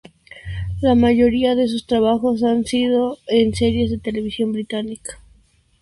La mayoría de sus trabajos han sido en series de televisión británica.